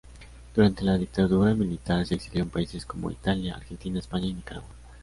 Durante la dictadura militar, se exilió en países como Italia, Argentina, España y Nicaragua.